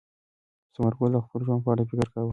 ثمر ګل د خپل ژوند په اړه فکر کاوه.